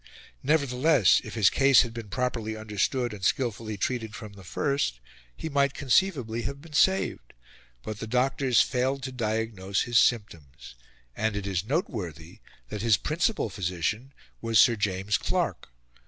Nevertheless, if his case had been properly understood and skilfully treated from the first, he might conceivably have been saved; but the doctors failed to diagnose his symptoms; and it is noteworthy that his principal physician was Sir James Clark.